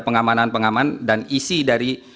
pengamanan pengaman dan isi dari